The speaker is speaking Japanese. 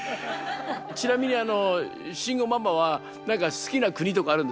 ちなみにあの慎吾ママは何か好きな国とかあるんですか？